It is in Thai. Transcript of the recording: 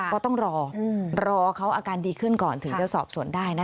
ก็ต้องรอรอเขาอาการดีขึ้นก่อนถึงจะสอบสวนได้นะคะ